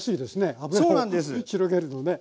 油広げるのね。